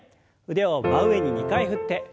腕を真上に２回振って。